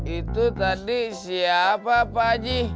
itu tadi siapa pakji